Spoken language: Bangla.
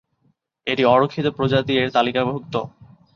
এটি অরক্ষিত প্রজাতি এর তালিকাভুক্ত।